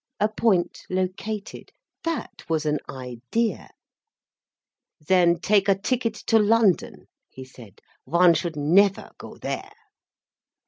A point located. That was an idea! "Then take a ticket to London," he said. "One should never go there."